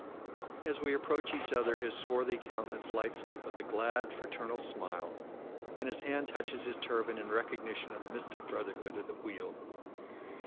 As we approach each other his swarthy countenance lights up with a "glad, fraternal smile," and his hand touches his turban in recognition of the mystic brotherhood of the wheel.